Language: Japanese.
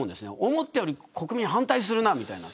思ったより国民が反対するみたいな。